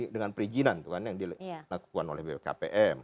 dengan perizinan yang dilakukan oleh bkpm